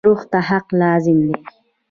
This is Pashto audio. روح ته حق لازم دی.